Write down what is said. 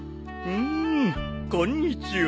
うんこんにちは。